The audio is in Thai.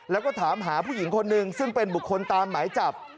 แล้วก็ถามหาผู้หญิงคนหนึ่งซึ่งเป็นบุคคลตามหมายจับ